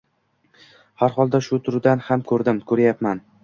Har holda shu turidan ham ko‘rdim, ko‘ryapman.